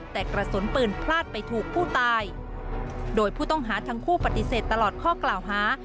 แต่กระสุนปืนพลาดไปถูกผู้ตายโดยผู้ต้องหาทั้งคู่ปฏิเสธตลอดข้อกล่าวหา